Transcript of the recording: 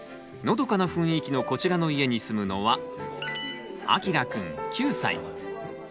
のどかな雰囲気のこちらの家に住むのは。